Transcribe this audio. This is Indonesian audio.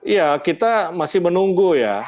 ya kita masih menunggu ya